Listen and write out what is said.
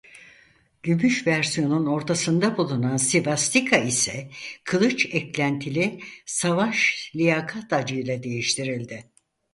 Gümüş versiyonun ortasında bulunan svastika ise Kılıç Eklentili Savaş Liyakat Haçıyla değiştirildi.